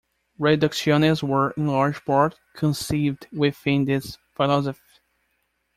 Reducciones were, in large part, conceived within this philosophy.